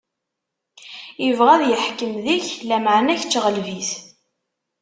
Ibɣa ad iḥkem deg-k, lameɛna, kečč ɣleb-it.